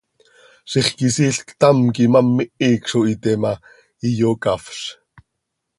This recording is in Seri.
Zixquisiil ctam quih imám ihic zo hiite ma, iyocafz.